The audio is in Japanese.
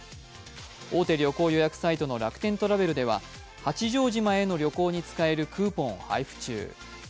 大手旅行予約サイトの楽天トラベルでは八丈島への旅行に使えるクーポンを配布中。